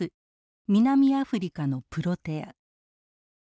南アフリカのプロテア。